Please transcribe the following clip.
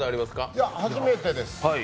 いや、初めてです。